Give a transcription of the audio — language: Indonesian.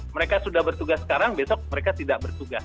mereka sudah bertugas sekarang besok mereka tidak bertugas